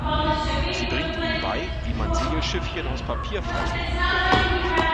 Sie bringt ihnen bei, wie man Segelschiffchen aus Papier faltet.